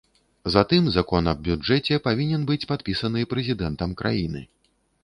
Затым закон аб бюджэце павінен быць падпісаны прэзідэнтам краіны.